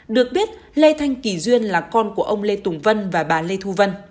được biết lê thanh kỳ duyên là con của ông lê tùng vân và bà lê thu vân